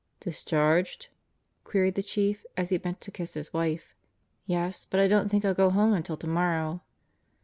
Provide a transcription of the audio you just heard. "Discharged?" queried the Chief as he bent to kiss his wife. "Yes, but I don't think I'll go home until tomorrow."